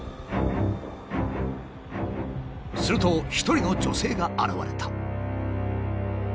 すると一人の女性が現れた。